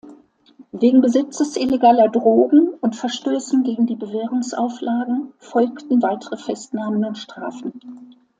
Wegen Besitzes illegaler Drogen und Verstößen gegen die Bewährungsauflagen folgten weitere Festnahmen und Strafen.